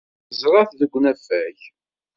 Neẓra-t deg unafag.